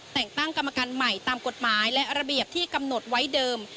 แต่งตั้งกรรมการใหม่ตามกฎหมายและระเบียบที่กำหนดไว้เดิม